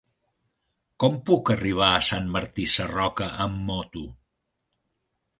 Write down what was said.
Com puc arribar a Sant Martí Sarroca amb moto?